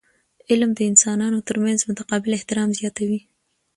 علم د انسانانو ترمنځ متقابل احترام زیاتوي.